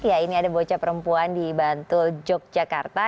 ya ini ada bocah perempuan di bantul yogyakarta